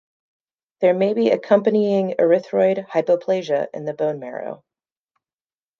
There may be accompanying erythroid hypoplasia in the bone marrow.